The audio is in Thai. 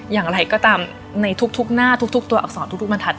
อย่างไรก็ตามในทุกหน้าทุกตัวอักษรทุกบรรทัศ